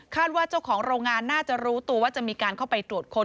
ว่าเจ้าของโรงงานน่าจะรู้ตัวว่าจะมีการเข้าไปตรวจค้น